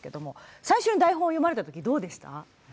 最初に台本を読まれた時はいかがでしたか。